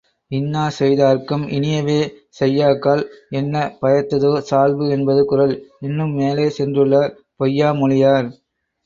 இன்னா செய்தார்க்கும் இனியவே செய்யாக்கால் என்ன பயத்ததோ சால்பு என்பது குறள், இன்னும் மேலே சென்றுள்ளார் பொய்யா மொழியார்.